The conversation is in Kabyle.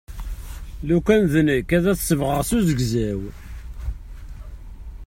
Lukan d nekk ad t-sebɣeɣ s uzegzaw.